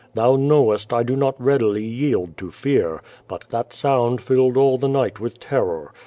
Thou knowest I do not readily yield to fear, but that sound filled all the night with terror.